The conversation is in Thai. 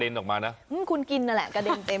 น้ำ